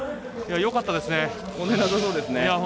よかったですね。